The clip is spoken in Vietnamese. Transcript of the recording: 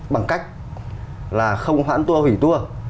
bằng cách là không hoãn tua hủy tua